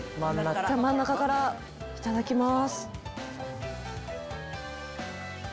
真ん中からいただきます。